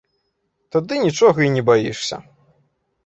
Тады нічога і не баішся.